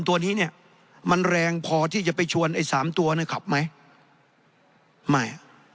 ตัวนี้เนี่ยมันแรงพอที่จะไปชวนไอ้สามตัวเนี่ยขับไหมไม่